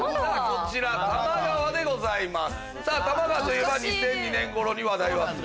こちら多摩川でございます。